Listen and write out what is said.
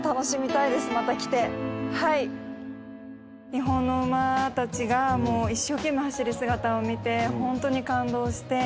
日本の馬たちが一生懸命走る姿を見てホントに感動して。